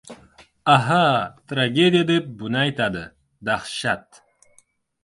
Aha, tragediya deb buni aytadi! Dahshat!